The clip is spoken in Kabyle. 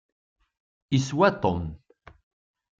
Iswa Tom.